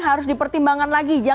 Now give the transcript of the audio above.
harus dipertimbangkan lagi